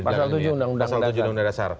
pasal tujuh undang undang dasar